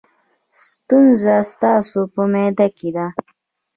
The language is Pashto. ستونزه ستاسو په معده کې ده.